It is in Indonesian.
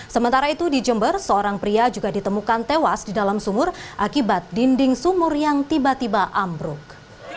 sementara itu di jember seorang pria juga ditemukan tewas di dalam sumur akibat dinding sumur yang tiba tiba ambruk